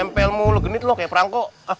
nempel mulu genit loh kayak perangkok